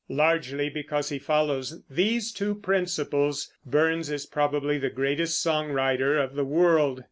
Largely because he follows these two principles, Burns is probably the greatest song writer of the world.